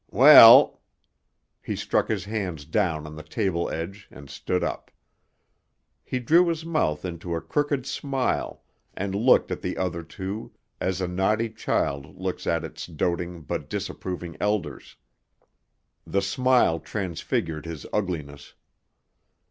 Well!" He struck his hands down on the table edge and stood up. He drew his mouth into a crooked smile and looked at the other two as a naughty child looks at its doting but disapproving elders. The smile transfigured his ugliness.